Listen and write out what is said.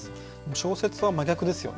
小説は真逆ですよね。